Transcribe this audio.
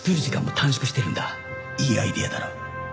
いいアイデアだろ。